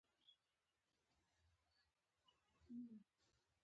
د ماښامونو خاموش رڼا زړه راښکونکې ده